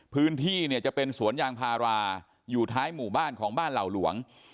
พื้นที่เนี่ยจะเป็นสวนยางพาราอยู่ท้ายหมู่บ้านของบ้านเหล่าหลวง